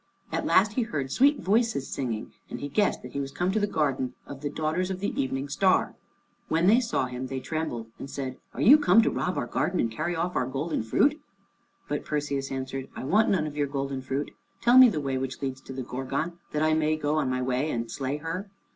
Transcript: At last he heard sweet voices singing, and he guessed that he was come to the garden of the daughters of the Evening Star. When they saw him they trembled and said, "Are you come to rob our garden and carry off our golden fruit?" But Perseus answered, "I want none of your golden fruit. Tell me the way which leads to the Gorgon that I may go on my way and slay her."